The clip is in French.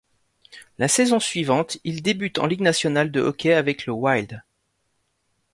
La saison suivante, il débute en Ligue nationale de hockey avec le Wild.